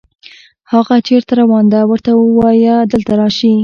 هاغه چېرته روان ده، ورته ووایه دلته راشي